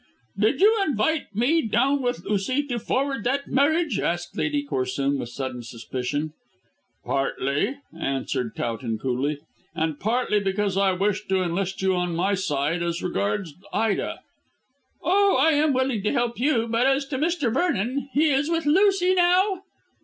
"Did you invite me down with Lucy to forward that marriage?" asked Lady Corsoon with sudden suspicion. "Partly," answered Towton coolly, "and partly because I wished to enlist you on my side as regards Ida." "Oh, I am willing to help you, but as to Mr. Vernon he is with Lucy now?"